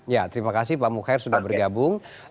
ya terima kasih pak mukhair sudah bergabung